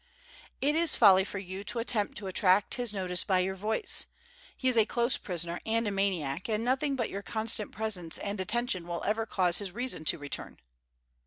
"It is folly for you to attempt to attract his notice by your voice. He is a close prisoner and a maniac, and nothing but your constant presence and attention will ever cause his reason to return!"